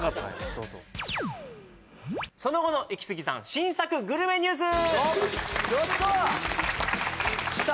そうそう「その後のイキスギさん新作グルメニュース」やった！来た！